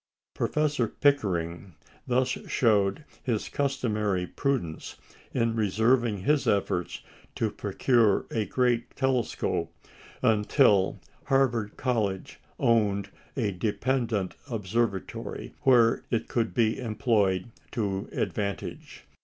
Professor Pickering thus showed his customary prudence in reserving his efforts to procure a great telescope until Harvard College owned a dependent observatory where it could be employed to advantage.